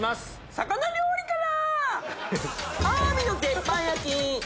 魚料理から！